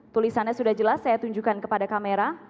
tulisannya sudah jelas saya tunjukkan kepada kamera